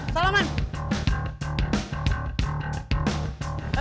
sampai berantem lagi